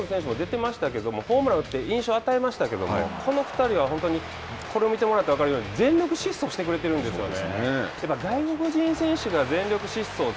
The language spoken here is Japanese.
オリックスのジョーンズ選手も出てましたけどホームランを打って印象を与えましたけれどもこの２人は本当にこれを見てもらったら分かるように全力疾走をしてくれてるんですよね。